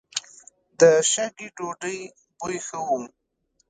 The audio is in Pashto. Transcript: د شګې ډوډۍ بوی ښه و.